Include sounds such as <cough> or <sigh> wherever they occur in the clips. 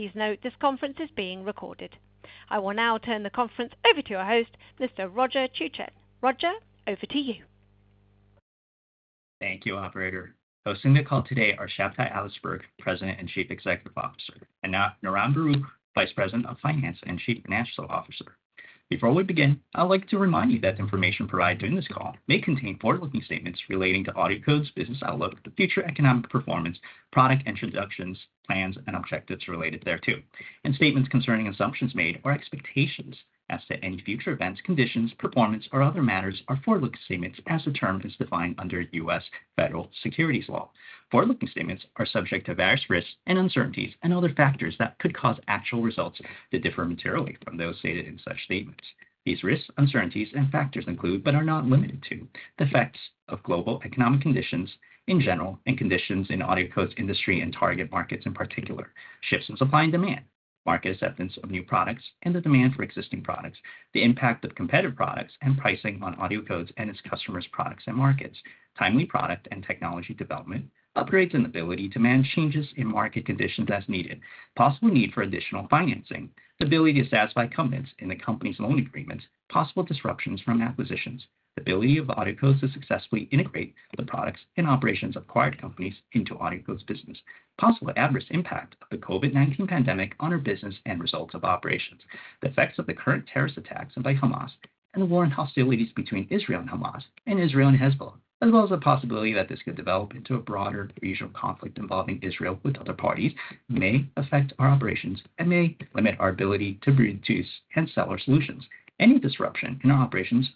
Please note, this conference is being recorded. I will now turn the conference over to your host, Mr. Roger Chuchen. Roger, over to you. Thank you, operator. Hosting the call today are Shabtai Adlersberg, President and Chief Executive Officer, and Niran Baruch, Vice President of Finance and Chief Financial Officer. Before we begin, I'd like to remind you that the information provided during this call may contain forward-looking statements relating to AudioCodes' business outlook, the future economic performance, product introductions, plans, and objectives related thereto, and statements concerning assumptions made or expectations as to any future events, conditions, performance, or other matters are forward-looking statements as the term is defined under US Federal Securities Law. Forward-looking statements are subject to various risks and uncertainties and other factors that could cause actual results to differ materially from those stated in such statements. These risks, uncertainties, and factors include, but are not limited to, the effects of global economic conditions in general, and conditions in AudioCodes' industry and target markets, in particular, shifts in supply and demand, market acceptance of new products, and the demand for existing products, the impact of competitive products and pricing on AudioCodes and its customers' products and markets, timely product and technology development, upgrades, and ability to manage changes in market conditions as needed, possible need for additional financing, the ability to satisfy covenants in the company's loan agreements, possible disruptions from acquisitions, the ability of AudioCodes to successfully integrate the products and operations of acquired companies into AudioCodes' business. Possible adverse impact of the COVID-19 pandemic on our business and results of operations. The effects of the current terrorist attacks by Hamas and the war and hostilities between Israel and Hamas and Israel and Hezbollah, as well as the possibility that this could develop into a broader regional conflict involving Israel with other parties, may affect our operations and may limit our ability to produce and sell our solutions. Any disruption in our operations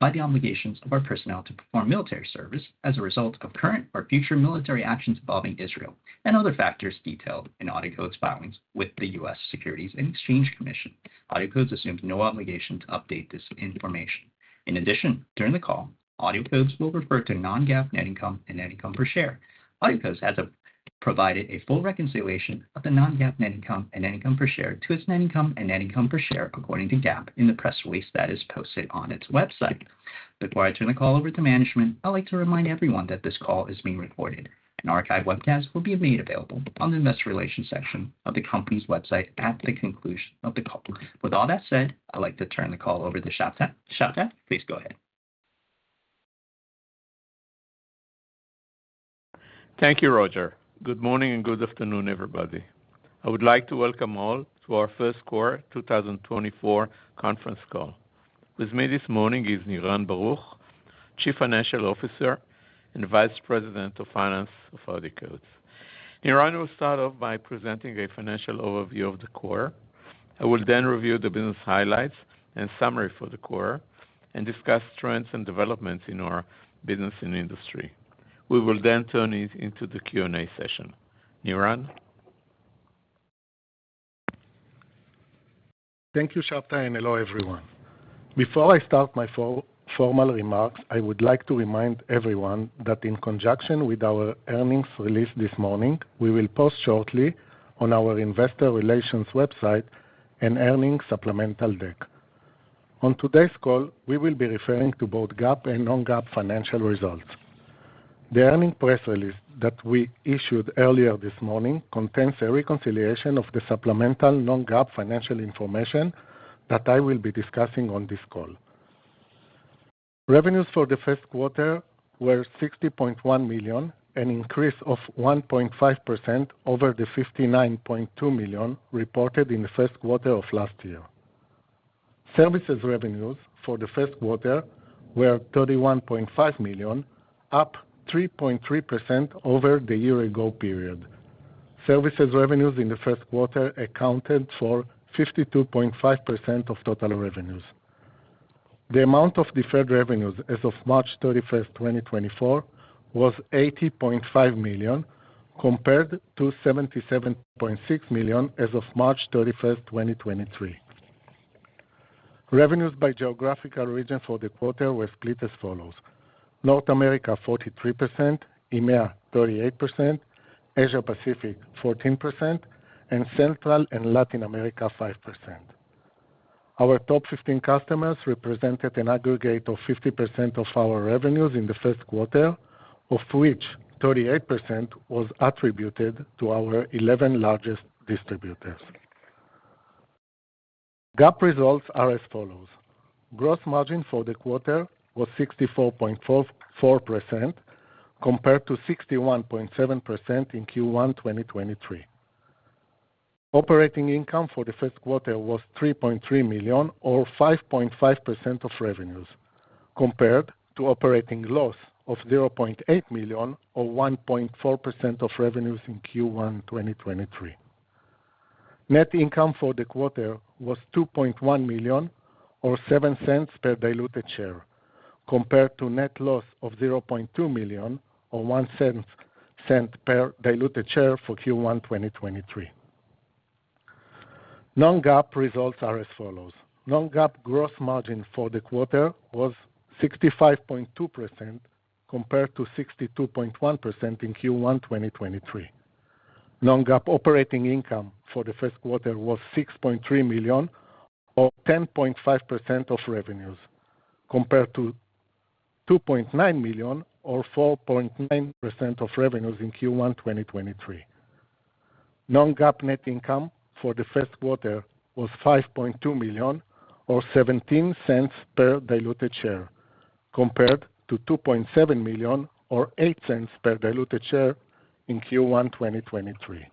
by the obligations of our personnel to perform military service as a result of current or future military actions involving Israel and other factors detailed in AudioCodes' filings with the US Securities and Exchange Commission. AudioCodes assumes no obligation to update this information. In addition, during the call, AudioCodes will refer to non-GAAP net income and net income per share. AudioCodes has provided a full reconciliation of the non-GAAP net income and net income per share to its net income and net income per share, according to GAAP, in the press release that is posted on its website. Before I turn the call over to management, I'd like to remind everyone that this call is being recorded. An archive webcast will be made available on the Investor Relations section of the company's website at the conclusion of the call. With all that said, I'd like to turn the call over to Shabtai. Shabtai, please go ahead. Thank you, Roger. Good morning and good afternoon, everybody. I would like to welcome all to our Q1 2024 conference call. With me this morning is Niran Baruch, Chief Financial Officer and Vice President of Finance of AudioCodes. Niran will start off by presenting a financial overview of the quarter. I will then review the business highlights and summary for the quarter and discuss trends and developments in our business and industry. We will then turn it into the Q&A session. Niran? Thank you, Shabtai, and hello, everyone. Before I start my formal remarks, I would like to remind everyone that in conjunction with our earnings release this morning, we will post shortly on our investor relations website an earnings supplemental deck. On today's call, we will be referring to both GAAP and non-GAAP financial results. The earnings press release that we issued earlier this morning contains a reconciliation of the supplemental non-GAAP financial information that I will be discussing on this call. Revenues for the Q1 were $60.1 million, an increase of 1.5% over the $59.2 million reported in the Q1 of last year. Services revenues for the Q1 were $31.5 million, up 3.3% over the year ago period. Services revenues in the Q1 accounted for 52.5% of total revenues. The amount of deferred revenues as of March 31, 2024, was $80.5 million, compared to $77.6 million as of March 31, 2023. Revenues by geographical regions for the quarter were split as follows: North America, 43%; EMEA, 38%; Asia Pacific, 14%; and Central and Latin America, 5%. Our top 15 customers represented an aggregate of 50% of our revenues in the Q1, of which 38% was attributed to our 11 largest distributors. GAAP results are as follows: Gross margin for the quarter was 64.44%, compared to 61.7% in Q1 2023. Operating income for the Q1 was $3.3 million or 5.5% of revenues, compared to operating loss of $0.8 million, or 1.4% of revenues in Q1 2023. Net income for the quarter was $2.1 million or $0.07 per diluted share, compared to net loss of $0.2 million or $0.01 per diluted share for Q1 2023. Non-GAAP results are as follows: Non-GAAP gross margin for the quarter was 65.2%, compared to 62.1% in Q1 2023. Non-GAAP operating income for the Q1 was $6.3 million or 10.5% of revenues, compared to $2.9 million, or 4.9% of revenues in Q1 2023. Non-GAAP net income for the Q1 was $5.2 million, or $0.17 per diluted share, compared to $2.7 million, or $0.08 per diluted share in Q1 2023.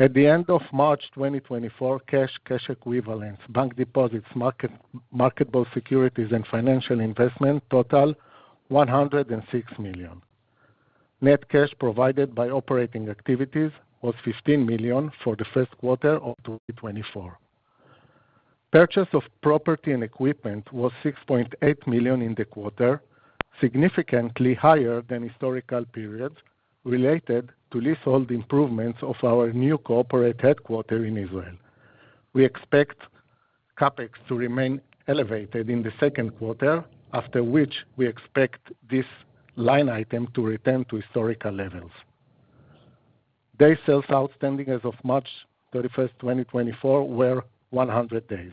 At the end of March 2024, cash, cash equivalents, bank deposits, marketable securities, and financial investments totaled $106 million. Net cash provided by operating activities was $15 million for the Q1 of 2024. Purchases of property and equipment were $6.8 million in the quarter, significantly higher than historical periods, related to leasehold improvements of our new corporate headquarters in Israel. We expect CapEx to remain elevated in the Q2, after which we expect this line item to return to historical levels. Days sales outstanding as of March 31, 2024, were 100 days.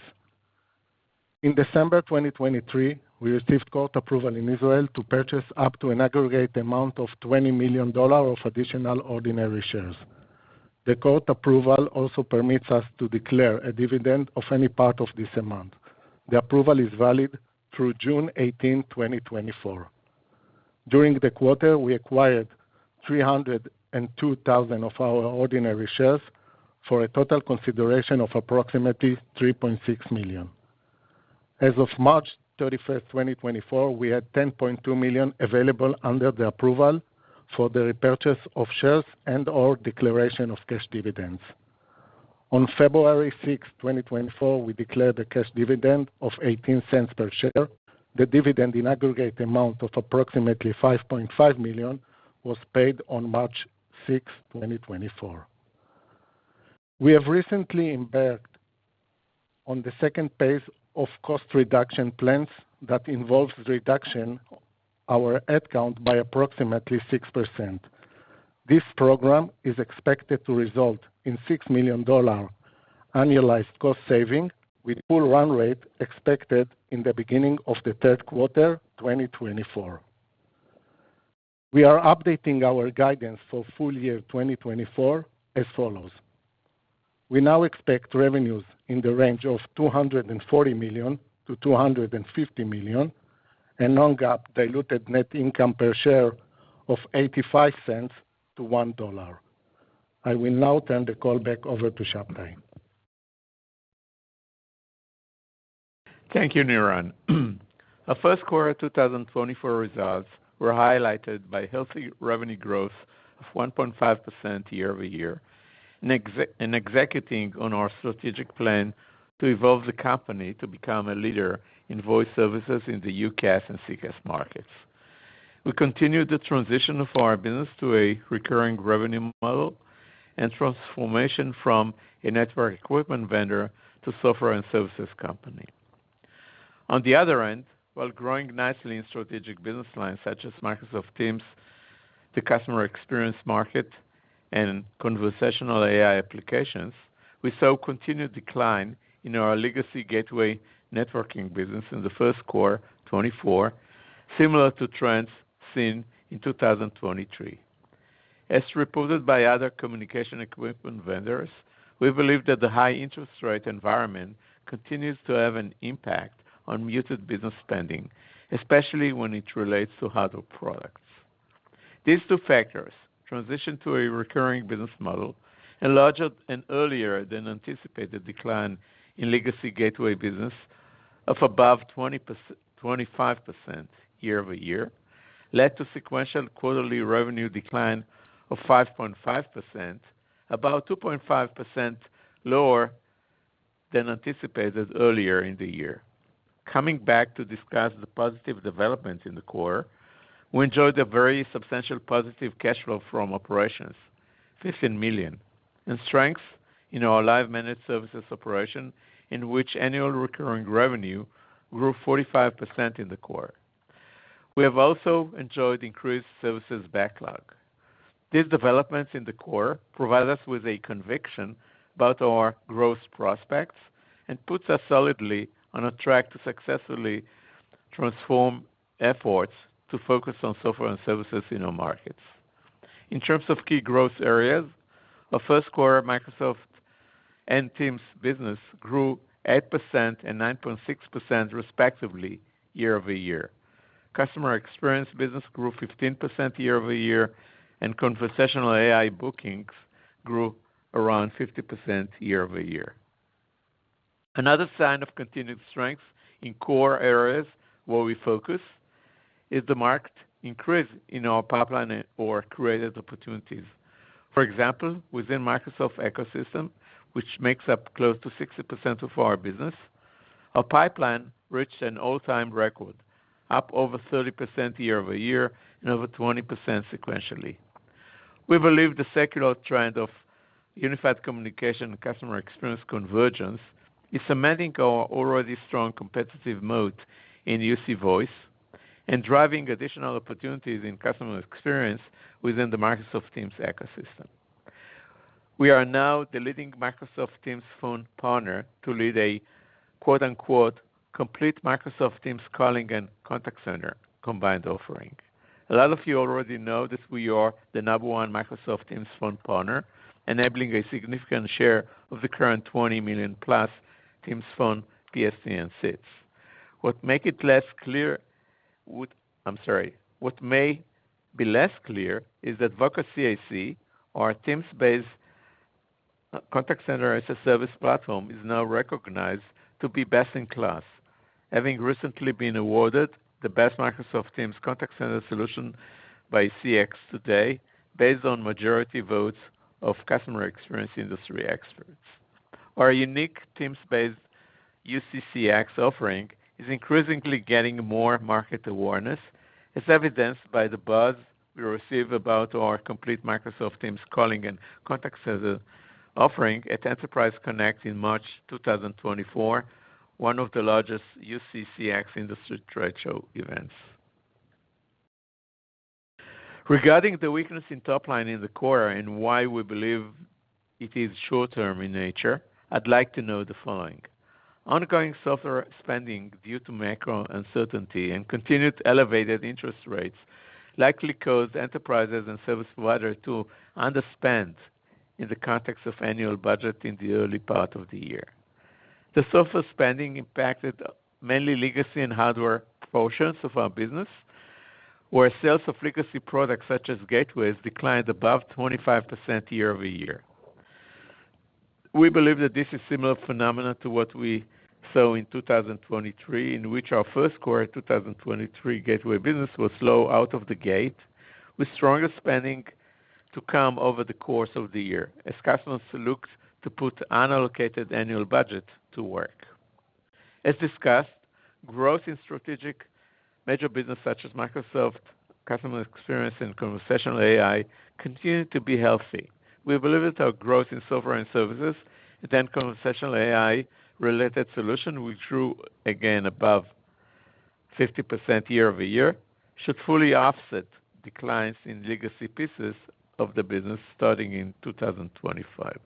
In December 2023, we received court approval in Israel to purchase up to an aggregate amount of $20 million of additional ordinary shares. The court approval also permits us to declare a dividend of any part of this amount. The approval is valid through June 18, 2024. During the quarter, we acquired 302,000 of our ordinary shares for a total consideration of approximately $3.6 million. As of March 31, 2024, we had $10.2 million available under the approval for the repurchase of shares and/or declaration of cash dividends. On February 6, 2024, we declared a cash dividend of $0.18 per share. The dividend in aggregate amount of approximately $5.5 million was paid on March 6, 2024. We have recently embarked on the second phase of cost reduction plans that involves reducing our head count by approximately 6%. This program is expected to result in $6 million annualized cost savings, with full run rate expected in the beginning of the Q3, 2024. We are updating our guidance for full year 2024 as follows: We now expect revenues in the range of $240 to 250 million, and non-GAAP diluted net income per share of $0.85 to 1. I will now turn the call back over to Shabtai. Thank you, Niran. Our Q1 2024 results were highlighted by healthy revenue growth of 1.5% year-over-year, and executing on our strategic plan to evolve the company to become a leader in voice services in the UCaaS and CCaaS markets. We continued the transition of our business to a recurring revenue model and transformation from a network equipment vendor to software and services company. On the other end, while growing nicely in strategic business lines, such as Microsoft Teams, the customer experience market, and conversational AI applications, we saw continued decline in our legacy gateway networking business in the Q1 2024, similar to trends seen in 2023. As reported by other communication equipment vendors, we believe that the high interest rate environment continues to have an impact on muted business spending, especially when it relates to hardware products. These two factors, transition to a recurring business model and larger and earlier than anticipated decline in legacy gateway business of above 20% to 25% year-over-year, led to sequential quarterly revenue decline of 5.5%, about 2.5% lower than anticipated earlier in the year. Coming back to discuss the positive developments in the quarter, we enjoyed a very substantial positive cash flow from operations, $15 million, and strength in our Live Managed Services operation, in which annual recurring revenue grew 45% in the quarter. We have also enjoyed increased services backlog. These developments in the quarter provide us with a conviction about our growth prospects and puts us solidly on a track to successfully transform efforts to focus on software and services in our markets. In terms of key growth areas, our Q1, Microsoft and Teams business grew 8% and 9.6%, respectively, year-over-year. Customer experience business grew 15% year-over-year, and conversational AI bookings grew around 50% year-over-year. Another sign of continued strength in core areas where we focus, is the marked increase in our pipeline or created opportunities. For example, within Microsoft ecosystem, which makes up close to 60% of our business, our pipeline reached an all-time record, up over 30% year-over-year and over 20% sequentially. We believe the secular trend of unified communication and customer experience convergence is cementing our already strong competitive moat in UC voice and driving additional opportunities in customer experience within the Microsoft Teams ecosystem. We are now the leading Microsoft Teams Phone partner to lead a, quote, unquote, "complete Microsoft Teams calling and contact center combined offering." A lot of you already know that we are the number one Microsoft Teams phone partner, enabling a significant share of the current 20 million+ Teams phone PSTN seats. I'm sorry. What may be less clear is that Voca CIC, our Teams-based contact center as a service platform, is now recognized to be best in class, having recently been awarded the best Microsoft Teams contact center solution by CX Today, based on majority votes of customer experience industry experts. Our unique Teams-based UCCX offering is increasingly getting more market awareness, as evidenced by the buzz we receive about our complete Microsoft Teams calling and contact center offering at Enterprise Connect in March 2024, one of the largest UCCX industry trade show events. Regarding the weakness in top line in the quarter and why we believe it is short-term in nature, I'd like to know the following. Ongoing software spending due to macro uncertainty and continued elevated interest rates, likely cause enterprises and service providers to underspend in the context of annual budget in the early part of the year. The software spending impacted mainly legacy and hardware portions of our business, where sales of legacy products such as gateways, declined above 25% year-over-year. We believe that this is similar phenomenon to what we saw in 2023, in which our Q1 2023 gateway business was slow out of the gate, with stronger spending to come over the course of the year as customers looked to put unallocated annual budget to work. As discussed, growth in strategic major business such as Microsoft, customer experience, and conversational AI, continue to be healthy. We believe that our growth in software and services and conversational AI-related solution, which grew again above 50% year-over-year, should fully offset declines in legacy pieces of the business starting in 2025.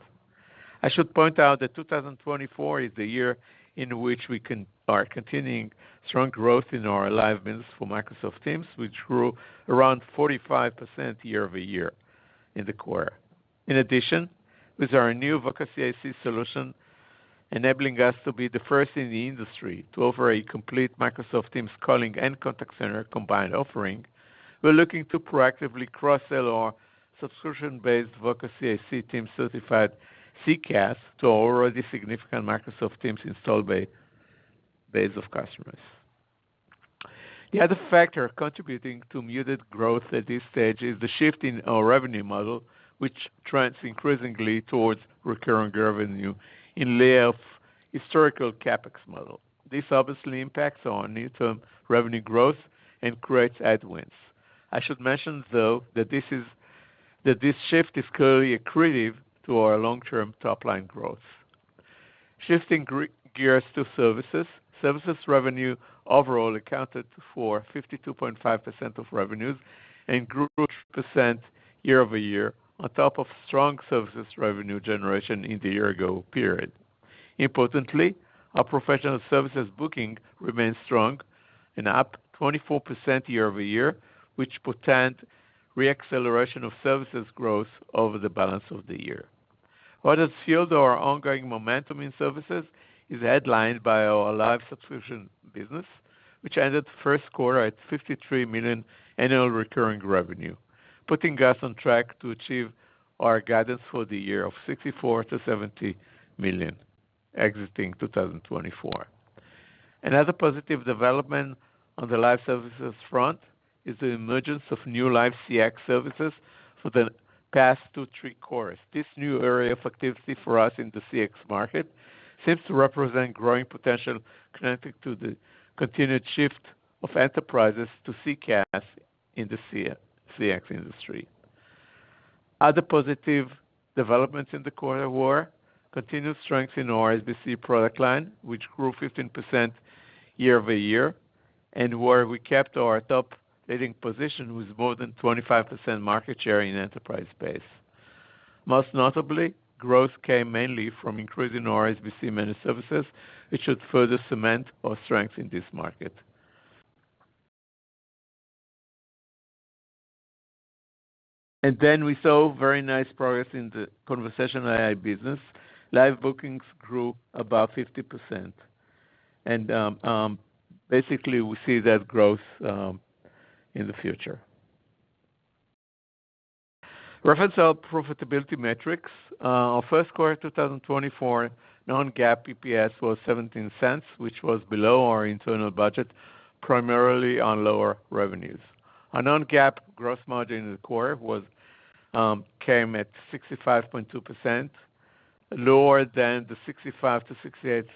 I should point out that 2024 is the year in which we are continuing strong growth in our live business for Microsoft Teams, which grew around 45% year-over-year in the quarter. In addition, with our new Voca CIC solution, enabling us to be the first in the industry to offer a complete Microsoft Teams calling and contact center combined offering, we're looking to proactively cross-sell our subscription-based Voca CIC Teams-certified CCaaS to our already significant Microsoft Teams installed base, base of customers. The other factor contributing to muted growth at this stage is the shift in our revenue model, which trends increasingly towards recurring revenue in lieu of historical CapEx model. This obviously impacts our near-term revenue growth and creates headwinds. I should mention, though, that this shift is clearly accretive to our long-term top line growth. Shifting gears to services. Services revenue overall accounted for 52.5% of revenues and grew % year-over-year, on top of strong services revenue generation in the year-ago period. Importantly, our professional services bookings remain strong and up 24% year-over-year, which portends re-acceleration of services growth over the balance of the year. What has fueled our ongoing momentum in services is headlined by our live subscription business, which ended the Q1 at $53 million annual recurring revenue, putting us on track to achieve our guidance for the year of $64 to 70 million, exiting 2024. Another positive development on the live services front is the emergence of new live CX services for the past 2 to 3 quarters. This new area of activity for us in the CX market seems to represent growing potential connected to the continued shift of enterprises to CCaaS in the CX industry. Other positive developments in the quarter were continued strength in our SBC product line, which grew 15% year-over-year, and where we kept our top leading position with more than 25% market share in enterprise space. Most notably, growth came mainly from increasing our SBC managed services, which should further cement our strength in this market. And then we saw very nice progress in the conversational AI business. Live bookings grew above 50%, and, basically, we see that growth, in the future. Reference our profitability metrics. Our Q1 2024 non-GAAP EPS was $0.17, which was below our internal budget, primarily on lower revenues. Our non-GAAP gross margin in the quarter was, came at 65.2%, lower than the 65% to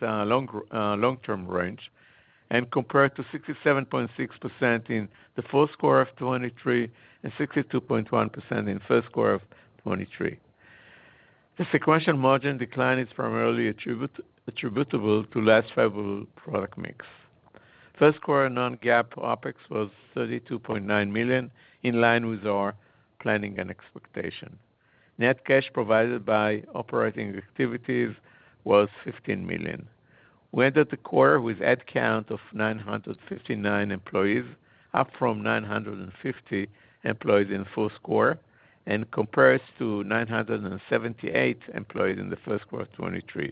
68%, long-term range, and compared to 67.6% in the Q4 of 2023, and 62.1% in Q1 of 2023. The sequential margin decline is primarily attributable to less favorable product mix. Q1 non-GAAP OpEx was $32.9 million, in line with our planning and expectation. Net cash provided by operating activities was $15 million. We ended the quarter with head count of 959 employees, up from 950 employees in Q4, and compares to 978 employees in the Q1 of 2023.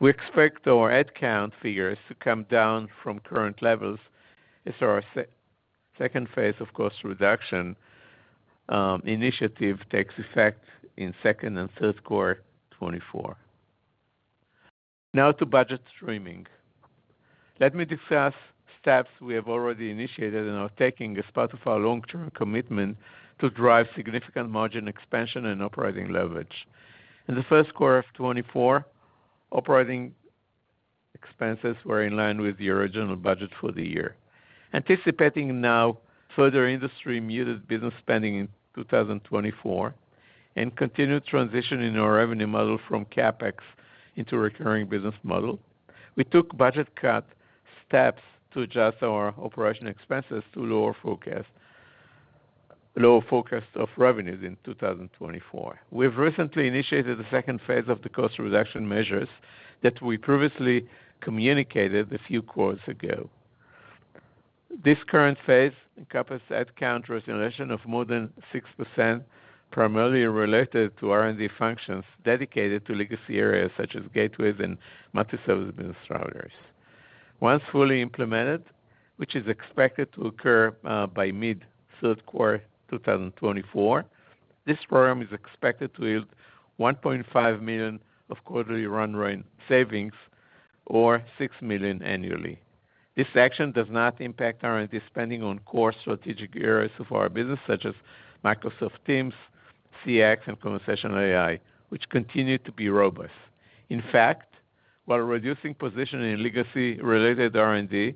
We expect our head count figures to come down from current levels as our second phase of cost reduction initiative takes effect in second and Q3 2024. Now to budget trimming. Let me discuss steps we have already initiated and are taking as part of our long-term commitment to drive significant margin expansion and operating leverage. In the Q1 of 2024, operating expenses were in line with the original budget for the year. Anticipating now further industry muted business spending in 2024 and continued transition in our revenue model from CapEx into recurring business model, we took budget cut steps to adjust our operational expenses to lower forecast of revenues in 2024. We've recently initiated the second phase of the cost reduction measures that we previously communicated a few quarters ago. This current phase encompasses head count rationalization of more than 6%, primarily related to R&D functions dedicated to legacy areas such as gateways and multi-service business routers. Once fully implemented, which is expected to occur by mid Q3 2024, this program is expected to yield $1.5 million of quarterly run rate savings, or $6 million annually. This action does not impact our R&D spending on core strategic areas of our business, such as Microsoft Teams, CX, and conversational AI, which continue to be robust. In fact, while reducing positioning in legacy-related R&D,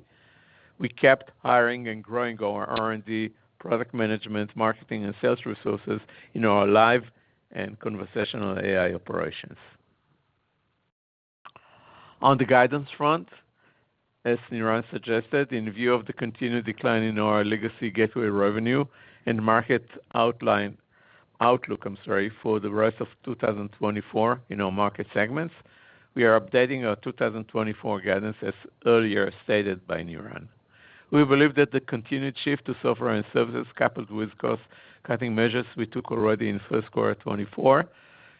we kept hiring and growing our R&D, product management, marketing, and sales resources in our live and conversational AI operations. On the guidance front, as Niran suggested, in view of the continued decline in our legacy gateway revenue and market outlook, I'm sorry, for the rest of 2024 in our market segments, we are updating our 2024 guidance, as earlier stated by Niran. We believe that the continued shift to software and services, coupled with cost-cutting measures we took already in Q1 2024,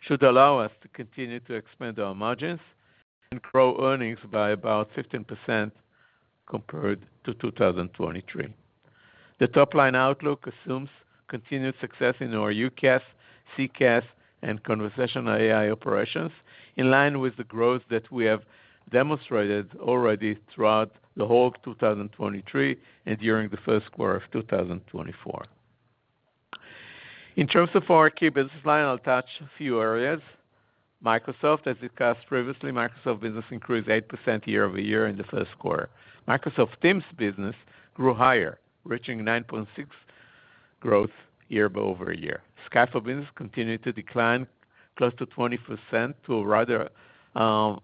should allow us to continue to expand our margins and grow earnings by about 15% compared to 2023. The top-line outlook assumes continued success in our UCaaS, CCaaS, and conversational AI operations, in line with the growth that we have demonstrated already throughout the whole of 2023 and during the Q1 of 2024. In terms of our key business line, I'll touch a few areas. Microsoft, as discussed previously, Microsoft business increased 8% year-over-year in the Q1. Microsoft Teams business grew higher, reaching 9.6% growth year-over-year. Skype business continued to decline close to 20% to a rather,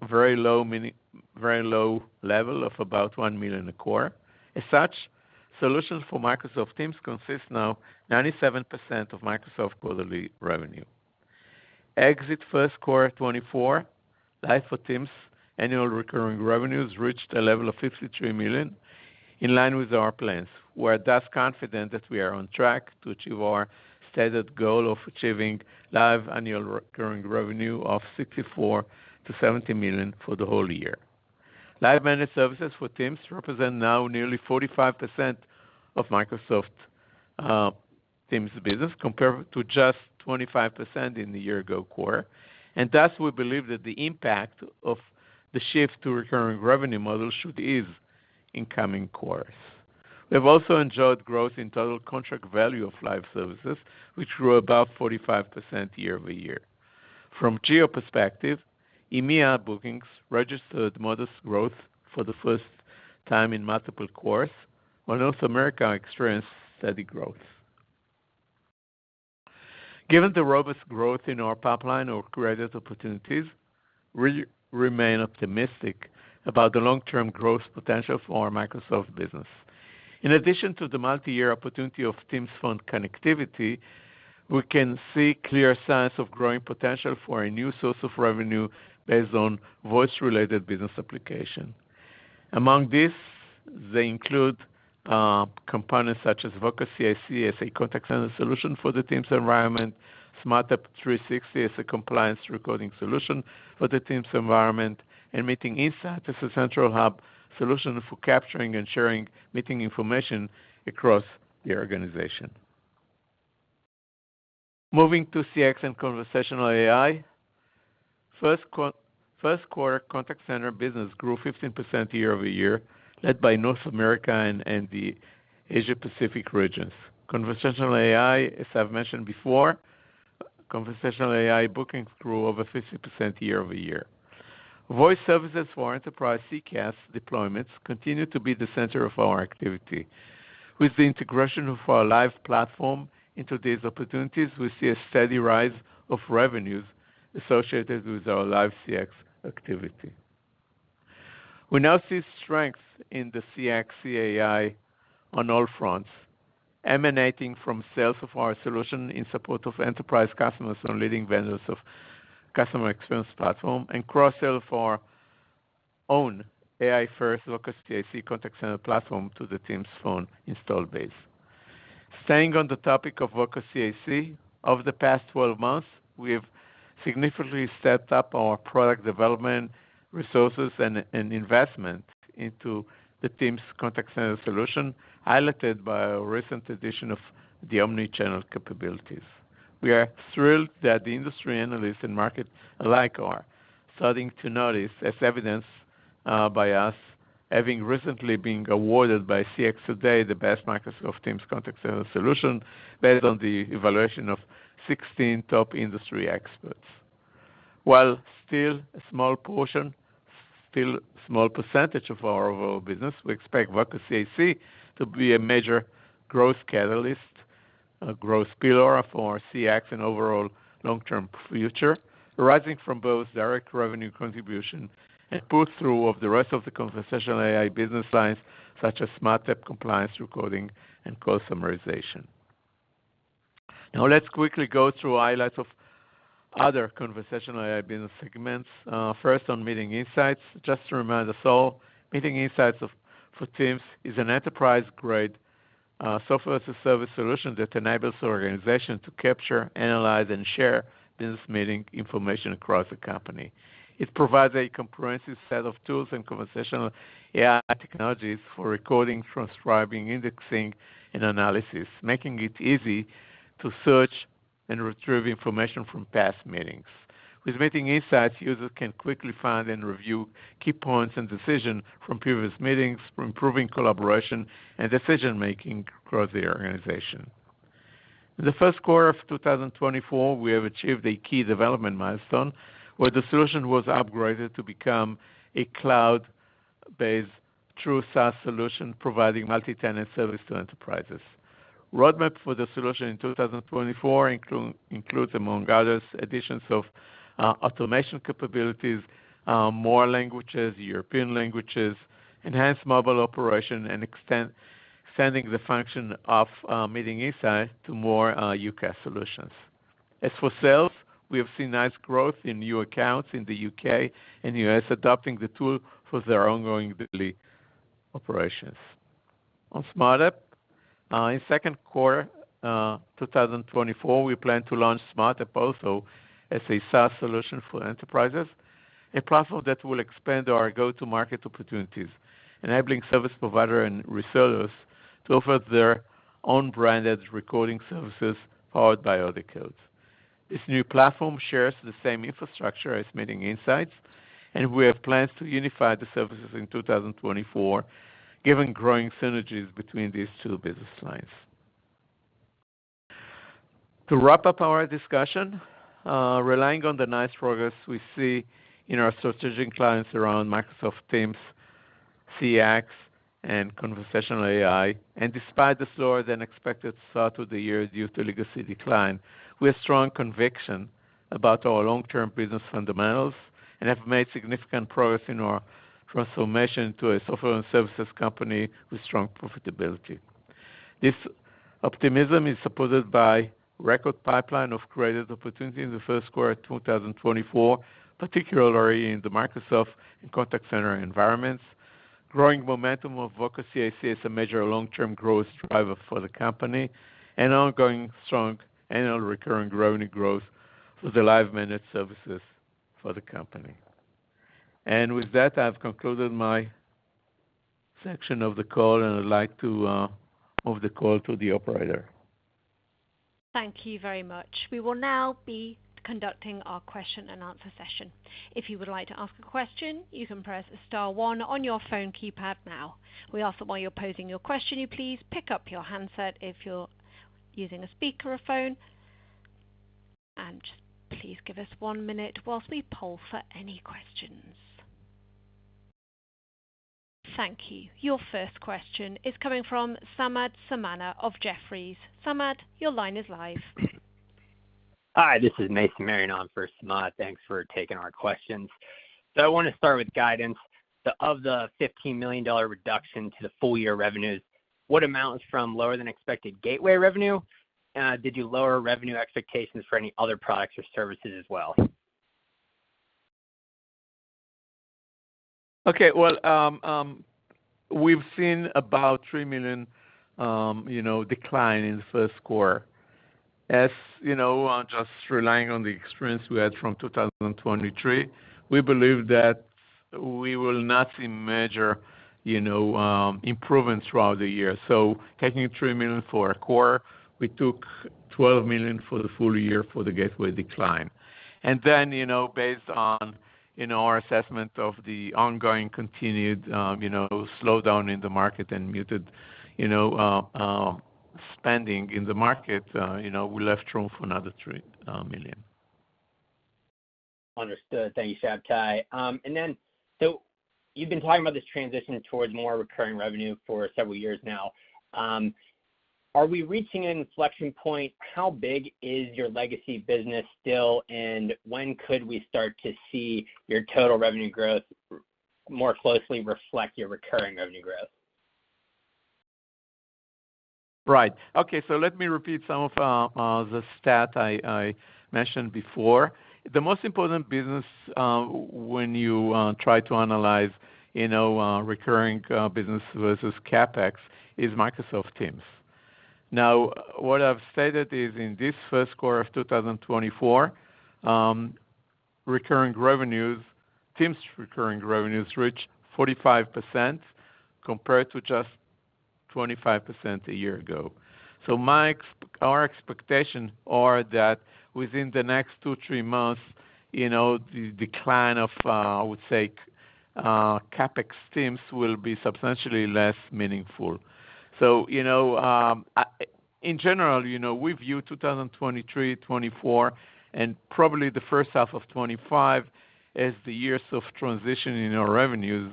very low level of about $1 million a quarter. As such, solutions for Microsoft Teams consists now 97% of Microsoft quarterly revenue. Exit Q1 2024, Live for Teams annual recurring revenues reached a level of $53 million, in line with our plans. We're thus confident that we are on track to achieve our stated goal of achieving Live annual recurring revenue of $64 to 70 million for the whole year. Live Managed Services for Teams represent now nearly 45% of Microsoft Teams business, compared to just 25% in the year ago quarter. And thus, we believe that the impact of the shift to recurring revenue model should ease in coming quarters. We have also enjoyed growth in total contract value of live services, which grew about 45% year-over-year. From geo perspective, EMEA bookings registered modest growth for the first time in multiple quarters, while North America experienced steady growth. Given the robust growth in our pipeline or created opportunities, we remain optimistic about the long-term growth potential for our Microsoft business. In addition to the multi-year opportunity of Teams Phone Connectivity, we can see clear signs of growing potential for a new source of revenue based on voice-related business application. Among these, they include components such as Voca CIC as a contact center solution for the Teams environment, SmartTAP 360° as a compliance recording solution for the Teams environment, and Meeting Insights as a central hub solution for capturing and sharing meeting information across the organization. Moving to CX and conversational AI. Q1 contact center business grew 15% year-over-year, led by North America and the Asia Pacific regions. Conversational AI, as I've mentioned before, conversational AI bookings grew over 50% year-over-year. Voice services for enterprise CCaaS deployments continue to be the center of our activity. With the integration of our live platform into these opportunities, we see a steady rise of revenues associated with our live CX activity. We now see strength in the CXAi on all fronts, emanating from sales of our solution in support of enterprise customers and leading vendors of customer experience platform and cross-sell our own AI-first Voca CIC contact center platform to the Teams Phone install base. Staying on the topic of Voca CIC, over the past 12 months, we have significantly stepped up our product development resources and investment into the Teams contact center solution, highlighted by our recent addition of the omni-channel capabilities. We are thrilled that the industry analysts and market alike are starting to notice, as evidenced by us having recently been awarded by CX Today the best Microsoft Teams contact center solution, based on the evaluation of 16 top industry experts. While still a small portion, still a small percentage of our overall business, we expect Voca CIC to be a major growth catalyst, a growth pillar for our CX and overall long-term future, arising from both direct revenue contribution and pull-through of the rest of the conversational AI business lines, such as SmartTAP, compliance, recording, and call summarization. Now, let's quickly go through highlights of other conversational AI business segments. First, on Meeting Insights. Just to remind us all, Meeting Insights for Teams is an enterprise-grade software-as-a-service solution that enables organizations to capture, analyze, and share business meeting information across the company. It provides a comprehensive set of tools and conversational AI technologies for recording, transcribing, indexing, and analysis, making it easy to search and retrieve information from past meetings. With Meeting Insights, users can quickly find and review key points and decisions from previous meetings, improving collaboration and decision-making across the organization. In the Q1 of 2024, we have achieved a key development milestone, where the solution was upgraded to become a cloud-based true SaaS solution, providing multi-tenant service to enterprises. Roadmap for the solution in 2024 includes, among others, additions of automation capabilities, more languages, European languages, enhanced mobile operation, and extending the function of Meeting Insights to more UCaaS solutions. As for sales, we have seen nice growth in new accounts in the UK and US, adopting the tool for their ongoing daily operations. On SmartTAP, in Q2, 2024, we plan to launch SmartTAP also as a SaaS solution for enterprises, a platform that will expand our go-to-market opportunities, enabling service provider and resellers to offer their own branded recording services, powered by AudioCodes. This new platform shares the same infrastructure as Meeting Insights, and we have plans to unify the services in 2024, given growing synergies between these two business lines. To wrap up our discussion, relying on the nice progress we see in our strategic clients around Microsoft Teams, CX, and conversational AI, and despite the slower than expected start to the year due to legacy decline, we have strong conviction about our long-term business fundamentals and have made significant progress in our transformation to a software and services company with strong profitability. This optimism is supported by record pipeline of created opportunity in the Q1 of 2024, particularly in the Microsoft and contact center environments. Growing momentum of Voca CIC is a major long-term growth driver for the company, and ongoing strong annual recurring revenue growth for the Live Managed Services for the company. With that, I've concluded my section of the call, and I'd like to move the call to the operator. Thank you very much. We will now be conducting our question and answer session. If you would like to ask a question, you can press star one on your phone keypad now. We ask that while you're posing your question, you please pick up your handset if you're using a speaker or phone. Just please give us one minute while we poll for any questions. Thank you. Your first question is coming from Samad Samana of Jefferies. Samad, your line is live. Hi, this is Mason Marion on for Samad. Thanks for taking our questions. I want to start with guidance. Of the $15 million reduction to the full year revenues, what amount is from lower than expected gateway revenue? And, did you lower revenue expectations for any other products or services as well? Okay, well, we've seen about $3 million, you know, decline in the Q1. As you know, just relying on the experience we had from 2023, we believe that we will not see major, you know, improvement throughout the year. So taking $3 million for a quarter, we took $12 million for the full year for the gateway decline. And then, you know, based on, you know, our assessment of the ongoing continued, you know, slowdown in the market and muted, you know, spending in the market, you know, we left room for another $3 million.... Understood. Thank you, Shabtai. And then, so you've been talking about this transition towards more recurring revenue for several years now. Are we reaching an inflection point? How big is your legacy business still, and when could we start to see your total revenue growth more closely reflect your recurring revenue growth? Right. Okay, so let me repeat some of the stat I mentioned before. The most important business, when you try to analyze, you know, recurring business versus CapEx, is Microsoft Teams. Now, what I've stated is, in this Q1 of 2024, recurring revenues, Teams recurring revenues reached 45%, compared to just 25% a year ago. So our expectations are that within the next two, three months, you know, the decline of, I would say, CapEx teams will be substantially less meaningful. So, you know, in general, you know, we view 2023, 2024, and probably the first half of 2025 as the years of transitioning our revenues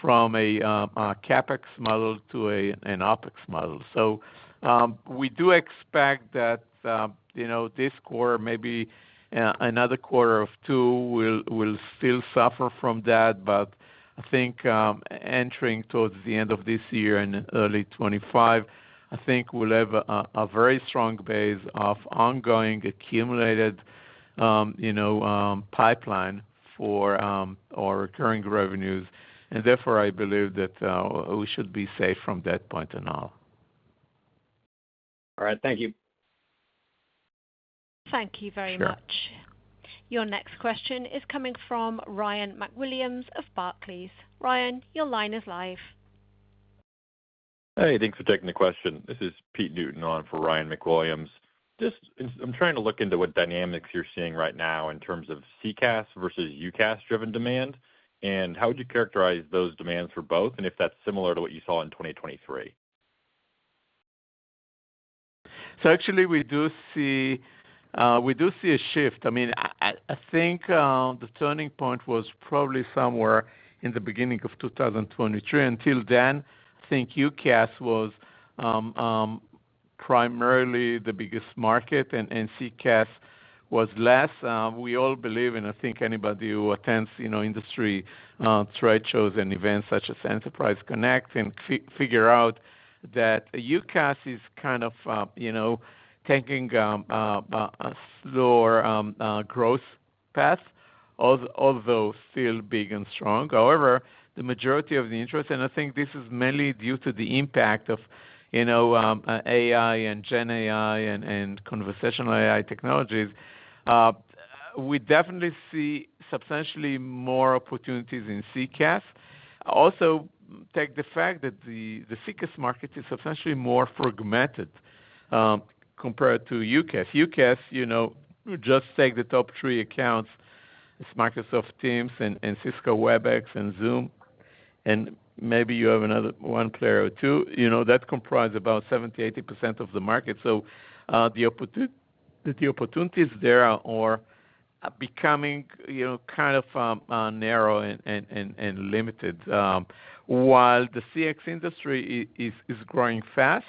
from a CapEx model to an OpEx model. So, we do expect that, you know, this quarter, maybe, another quarter or two, will still suffer from that, but I think, entering towards the end of this year and early 2025, I think we'll have a very strong base of ongoing, accumulated, you know, pipeline for our recurring revenues, and therefore, I believe that, we should be safe from that point on now. All right. Thank you. Thank you very much. Sure. Your next question is coming from Ryan McWilliams of Barclays. Ryan, your line is live. Hey, thanks for taking the question. This is Pete Newton on for Ryan McWilliams. Just, I'm, I'm trying to look into what dynamics you're seeing right now in terms of CCaaS versus UCaaS-driven demand, and how would you characterize those demands for both, and if that's similar to what you saw in 2023? So actually we do see, we do see a shift. I mean, I think the turning point was probably somewhere in the beginning of 2023. Until then, I think UCaaS was primarily the biggest market and CCaaS was less. We all believe, and I think anybody who attends, you know, industry trade shows and events such as Enterprise Connect, and figure out that UCaaS is kind of, you know, taking a slower growth path, although still big and strong. However, the majority of the interest, and I think this is mainly due to the impact of, you know, AI and Gen AI and conversational AI technologies, we definitely see substantially more opportunities in CCaaS. Also, take the fact that the CCaaS market is substantially more fragmented compared to UCaaS. UCaaS, you know, just take the top three accounts, it's Microsoft Teams and Cisco Webex and Zoom, and maybe you have another one player or two, you know, that comprise about 70% to 80% of the market. So, the opportunities there are becoming, you know, kind of narrow and limited. While the CX industry is growing fast,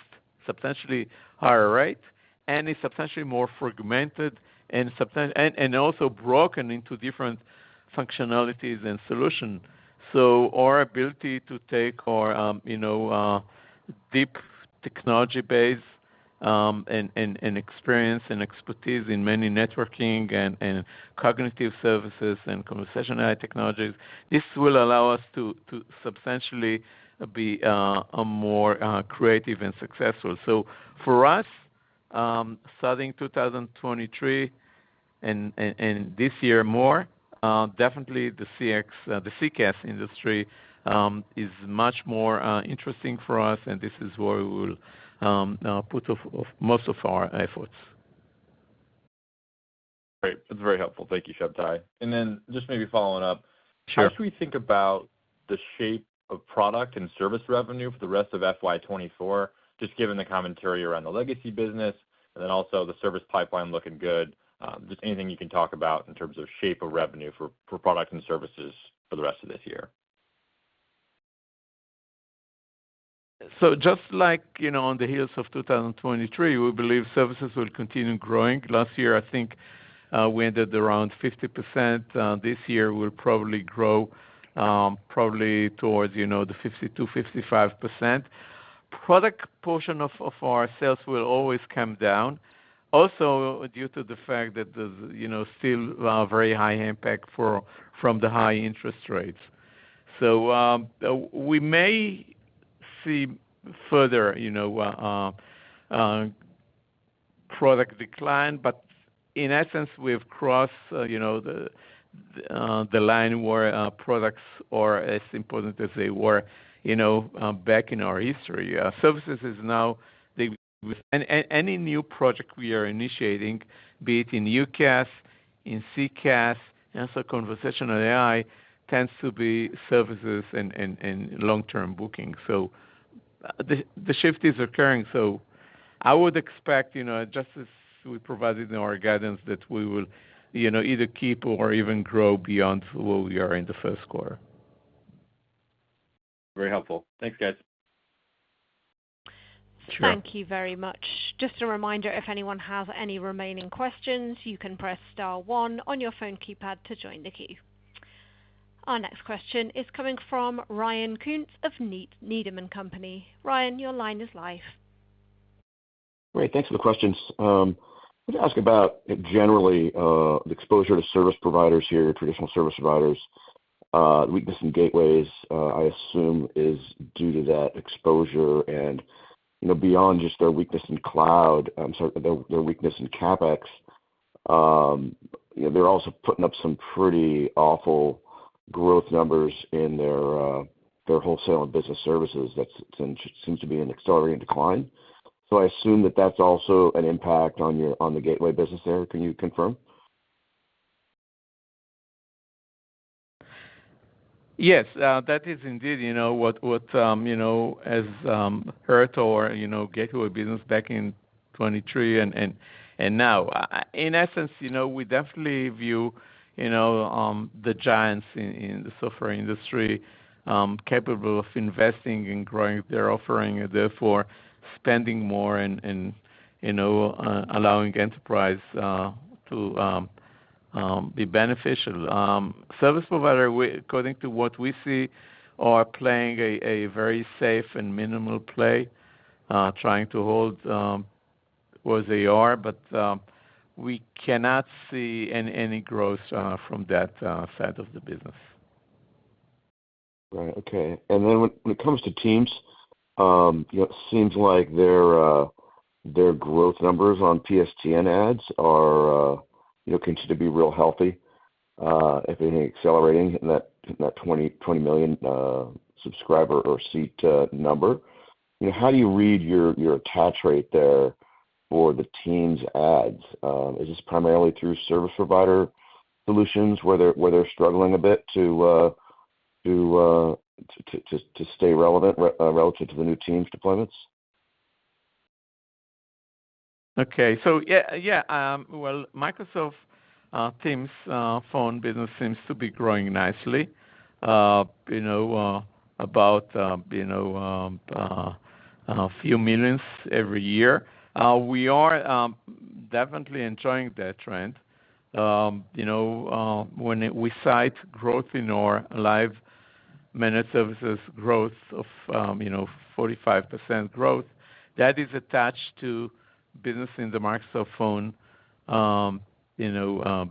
substantially higher rate, and is substantially more fragmented and also broken into different functionalities and solutions. So our ability to take our, you know, deep technology base and experience and expertise in many networking and cognitive services and conversational AI technologies, this will allow us to substantially be more creative and successful. So for us, starting 2023 and this year more, definitely the CX, the CCaaS industry, is much more interesting for us, and this is where we will put most of our efforts. Great. That's very helpful. Thank you, Shabtai. And then just maybe following up- Sure. How should we think about the shape of product and service revenue for the rest of FY 2024, just given the commentary around the legacy business, and then also the service pipeline looking good? Just anything you can talk about in terms of shape of revenue for product and services for the rest of this year. So just like, you know, on the heels of 2023, we believe services will continue growing. Last year, I think, we ended around 50%. This year we'll probably grow, probably towards, you know, the 50% to 55%. Product portion of our sales will always come down, also due to the fact that the, you know, still very high impact from the high interest rates. So, we may see further, you know, product decline, but in essence, we've crossed, you know, the line where products are as important as they were, you know, back in our history. Services is now the—Any new project we are initiating, be it in UCaaS, in CCaaS, and also conversational AI, tends to be services and long-term booking. So the shift is occurring. I would expect, you know, just as we provided in our guidance, that we will, you know, either keep or even grow beyond where we are in the Q1. Very helpful. Thanks, guys. Sure. Thank you very much. Just a reminder, if anyone has any remaining questions, you can press star one on your phone keypad to join the queue. Our next question is coming from Ryan Koontz of Needham & Company. Ryan, your line is live. Great, thanks for the questions. Let me ask about, generally, the exposure to service providers here, traditional service providers. Weakness in gateways, I assume, is due to that exposure and, you know, beyond just their weakness in cloud, so their weakness in CapEx, you know, they're also putting up some pretty awful growth numbers in their wholesale and business services. That seems to be an accelerating decline. So I assume that that's also an impact on your gateway business there. Can you confirm? Yes, that is indeed, you know, what you know has hurt or, you know, gateway business back in 2023 and now. In essence, you know, we definitely view, you know, the giants in the software industry capable of investing in growing their offering and therefore spending more and, you know, allowing enterprise to be beneficial. Service provider, according to what we see, are playing a very safe and minimal play, trying to hold where they are, but we cannot see any growth from that side of the business. Right. Okay. And then when it comes to Teams, it seems like their growth numbers on PSTN adds are, you know, continue to be real healthy, if anything, accelerating in that 20 million subscriber or seat number. You know, how do you read your attach rate there for the Teams adds? Is this primarily through service provider solutions, where they're struggling a bit to stay relevant relative to the new Teams deployments? Okay. So yeah. Yeah, well, Microsoft Teams phone business seems to be growing nicely, you know, about a few million every year. We are definitely enjoying that trend. You know, when we cite growth in our Live Managed Services growth of 45% growth, that is attached to business in the Microsoft Phone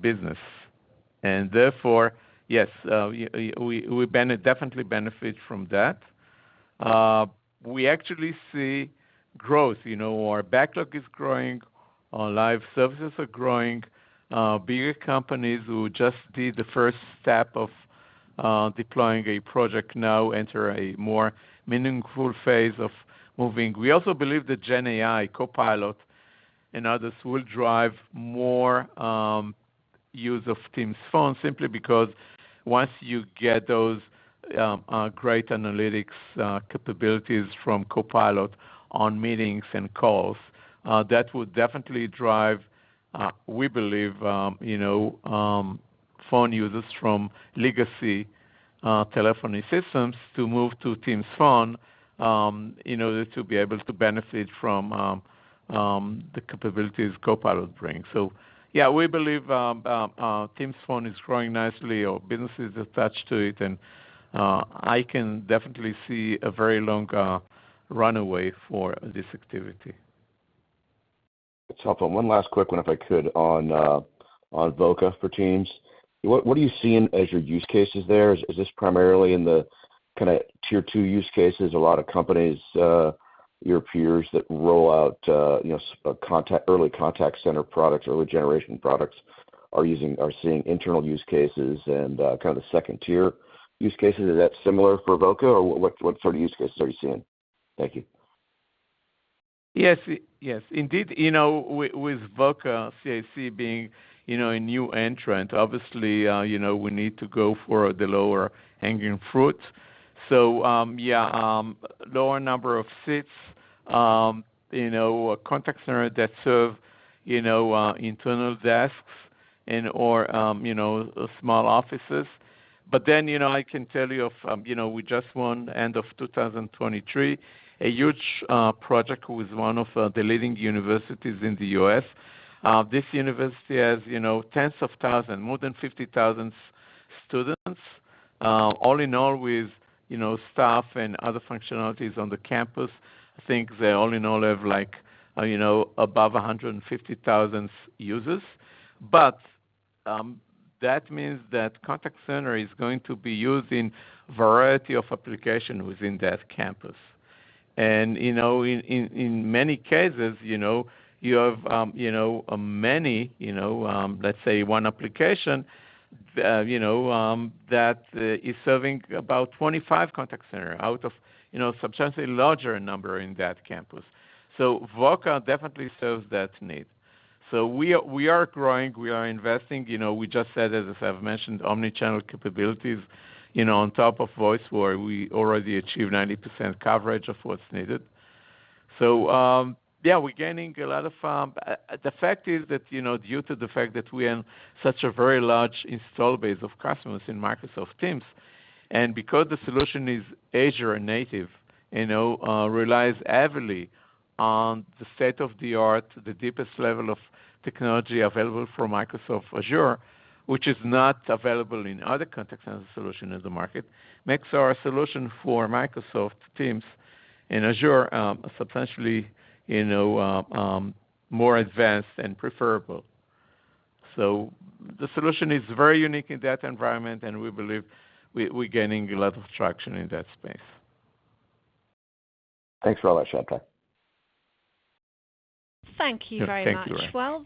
business. And therefore, yes, we definitely benefit from that. We actually see growth. You know, our backlog is growing, our Live services are growing, bigger companies who just did the first step of deploying a project now enter a more meaningful phase of moving. We also believe that Gen AI, Copilot and others will drive more use of Teams Phone, simply because once you get those great analytics capabilities from Copilot on meetings and calls, that would definitely drive, we believe, you know, phone users from legacy telephony systems to move to Teams Phone in order to be able to benefit from the capabilities Copilot brings. So, yeah, we believe Teams Phone is growing nicely, our business is attached to it, and I can definitely see a very long runway for this activity. It's helpful. One last quick one, if I could, on Voca for Teams. What are you seeing as your use cases there? Is this primarily in the kinda tier two use cases? A lot of companies, your peers that roll out, you know, contact early contact center products, early generation products, are seeing internal use cases and kind of the second-tier use cases. Is that similar for Voca, or what sort of use cases are you seeing? Thank you. Yes. Yes, indeed, you know, with, with Voca CIC being, you know, a new entrant, obviously, you know, we need to go for the low-hanging fruit. So, yeah, lower number of seats, you know, a contact center that serve, you know, internal desks and or, you know, small offices. But then, you know, I can tell you of, you know, we just won, end of 2023, a huge project with one of, the leading universities in the US. This university has, you know, tens of thousands, more than 50,000 students. All in all, with, you know, staff and other functionalities on the campus, I think they all in all have, like, you know, above 150,000 users. But, that means that contact center is going to be used in variety of application within that campus. And, you know, in many cases, you know, you have many, you know, let's say one application, you know, that is serving about 25 contact center out of, you know, substantially larger number in that campus. So Voca definitely serves that need. So we are growing, we are investing. You know, we just added, as I've mentioned, omni-channel capabilities, you know, on top of voice, where we already achieved 90% coverage of what's needed. So, yeah, we're gaining a lot of... The fact is that, you know, due to the fact that we have such a very large install base of customers in Microsoft Teams, and because the solution is Azure native, you know, relies heavily on the state-of-the-art, the deepest level of technology available from Microsoft Azure, which is not available in other contact center solution in the market, makes our solution for Microsoft Teams and Azure substantially, you know, more advanced and preferable. So the solution is very unique in that environment, and we believe we're gaining a lot of traction in that space. Thanks for all that, Shabtai. Thank you very much. <crosstalk> Well,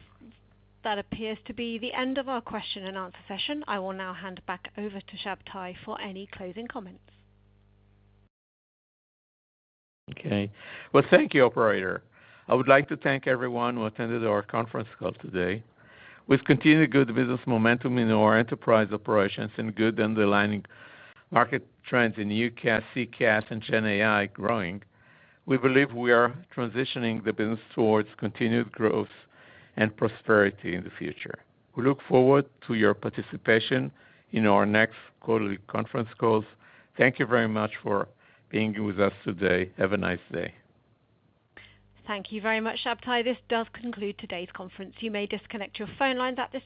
that appears to be the end of our question and answer session. I will now hand it back over to Shabtai for any closing comments. Okay. Well, thank you, operator. I would like to thank everyone who attended our conference call today. With continued good business momentum in our enterprise operations and good underlying market trends in UCaaS, CCaaS and Gen AI growing, we believe we are transitioning the business towards continued growth and prosperity in the future. We look forward to your participation in our next quarterly conference calls. Thank you very much for being with us today. Have a nice day. Thank you very much, Shabtai. This does conclude today's conference. You may disconnect your phone lines at this time.